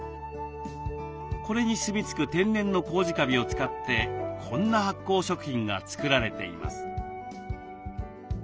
これにすみつく天然のコウジカビを使ってこんな発酵食品が作られています。